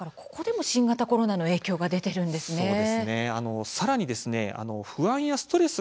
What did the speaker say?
ここでも新型コロナの影響が出ているんですね。